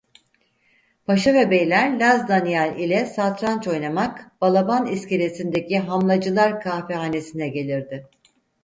Paşa ve beyler Laz Daniyal ile satranç oynamak Balaban İskelesi'ndeki Hamlacılar Kahvehanesi'ne gelirdi.